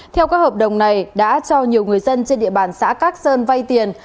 theo các hợp đồng này đã cho nhiều người dân trên địa bàn xã cát sơn vay tiền